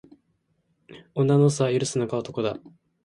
女の嘘は許すのが男だ